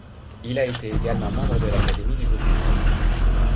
Il a été également membre de l'Académie de Vaucluse.